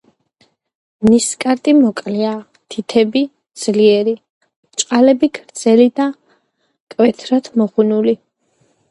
ნისკარტი მოკლეა; თითები ძლიერი, ბრჭყალები გრძელი და მკვეთრად მოღუნული.